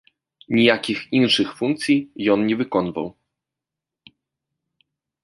Ніякіх іншых функцый ён не выконваў.